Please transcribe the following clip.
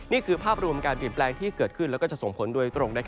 นี่คือภาพรวมการเปลี่ยนแปลงที่เกิดขึ้นแล้วก็จะส่งผลโดยตรง